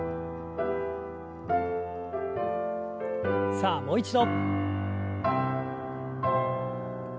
さあもう一度。